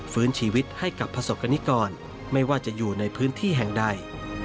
ฟื้นชีวิตให้กับประสบกรณิกรไม่ว่าจะอยู่ในพื้นที่แห่งใด